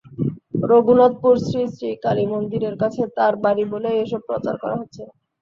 রগুনাথপুর শ্রীশ্রী কালীমন্দিরের কাছে তাঁর বাড়ি বলেই এসব প্রচার করা হচ্ছে।